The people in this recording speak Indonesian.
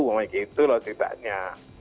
begitu loh ceritanya